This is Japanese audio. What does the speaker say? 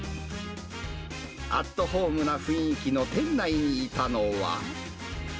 アットホームな雰囲気の店内にいたのは。